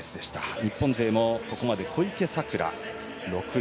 日本勢も、ここまで小池さくら６位。